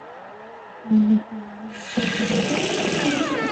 মনে হয় না ওর সেটা জানা প্রয়োজন।